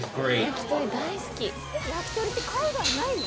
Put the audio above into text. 焼き鳥って海外ないの？